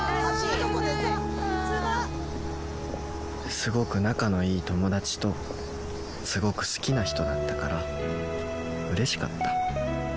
すごく仲のいい友達とすごく好きな人だったからうれしかった